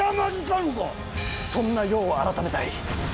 そんな世を改めたい。